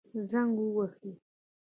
زنګ ووهئ